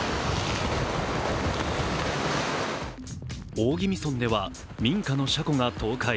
大宜味村では民家の車庫が倒壊。